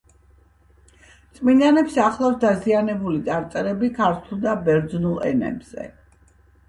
წმინდანებს ახლავს დაზიანებული წარწერები ქართულ და ბერძნულ ენებზე.